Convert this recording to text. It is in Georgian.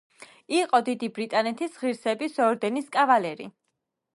იყო დიდი ბრიტანეთის ღირსების ორდენის კავალერი.